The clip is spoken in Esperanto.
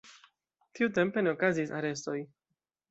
Tiutempe ne okazis arestoj.